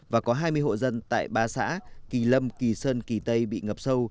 và có hai mươi hộ dân tại ba xã kỳ lâm kỳ sơn kỳ tây bị ngập sâu